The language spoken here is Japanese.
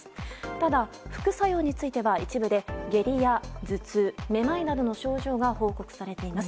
ただ、副作用については一部で下痢や頭痛めまいなどの症状が報告されています。